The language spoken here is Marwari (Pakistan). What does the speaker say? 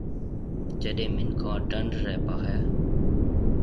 جڏي منِکون ڊنڍ رَي پاھيََََ۔